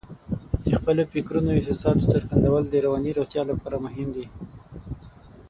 د خپلو فکرونو او احساساتو څرګندول د رواني روغتیا لپاره مهم دي.